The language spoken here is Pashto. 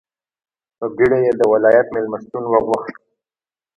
په بېړه یې د ولایت مېلمستون وغوښت.